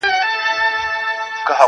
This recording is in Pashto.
• تسلیت لره مي راسی لږ یې غم را سره یوسی,